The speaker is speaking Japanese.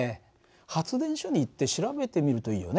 発電所に行って調べてみるといいよね。